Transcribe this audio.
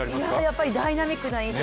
やっぱりダイナミックな印象。